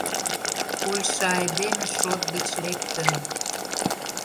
Польша айдеме шот гыч лектын.